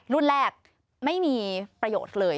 รุ่นแรกไม่มีประโยชน์เลย